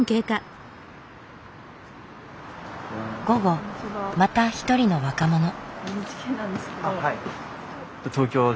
午後また一人の若者。